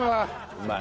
うまい。